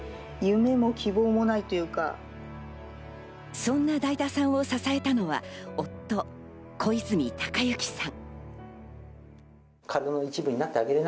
そんなだいたさんを支えたのは夫・小泉貴之さん。